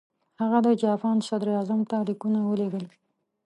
هغه د جاپان صدراعظم ته لیکونه ولېږل.